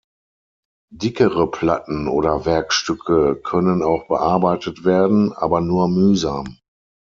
Dickere Platten oder Werkstücke können auch bearbeitet werden, aber nur mühsam.